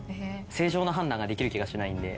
正常な判断ができる気がしないんで。